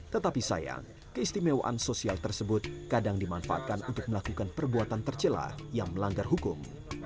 tetapi sayang keistimewaan sosial tersebut kadang dimanfaatkan untuk melakukan perbuatan tercelah yang melanggar hukum